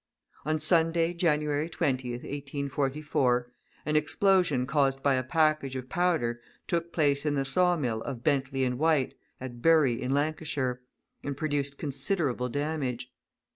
On Sunday, January 20th, 1844, an explosion caused by a package of powder took place in the sawmill of Bently & White, at Bury, in Lancashire, and produced considerable damage.